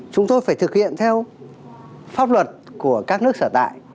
chúng tôi phải thực hiện theo pháp luật của các nước sở tại